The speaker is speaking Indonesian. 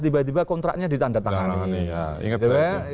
tiba tiba kontraknya ditandatangani